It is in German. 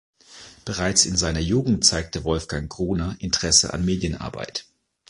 Bereits in seiner Jugend zeigte Wolfgang Gruner Interesse an Medienarbeit.